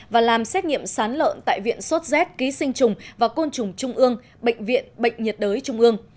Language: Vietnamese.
và làm xét nghiệm sán lợn tại viện sốt z ký sinh trùng và côn trùng trung ương bệnh viện bệnh nhiệt đới trung ương